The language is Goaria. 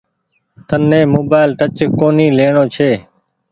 تن ني موبآئيل ٽچ ڪونيٚ ليڻو ڇي۔